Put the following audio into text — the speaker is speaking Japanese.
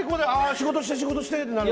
仕事して、仕事してってなる。